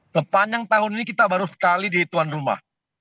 sepanjang tahun ini kita baru sekali di tuan rumah